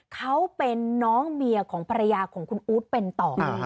เขาเป็นน้องเมียของภรรยาของคุณอู๊ดเป็นต่อ